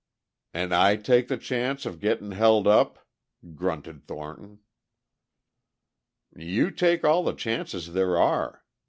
"An' I take the chances of gettin' held up!" grunted Thornton. "You take all the chances there are.